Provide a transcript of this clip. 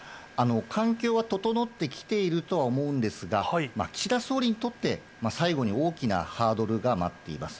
環境は整ってきているとは思うんですが、岸田総理にとって、最後に大きなハードルが待っています。